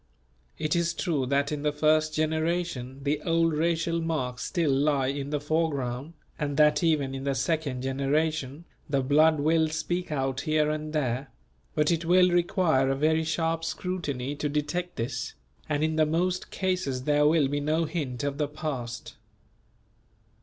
It is true that in the first generation, the old racial marks still lie in the foreground, and that even in the second generation, the blood will speak out here and there; but it will require a very sharp scrutiny to detect this, and in the most cases there will be no hint of the past.